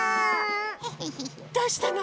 どうしたの？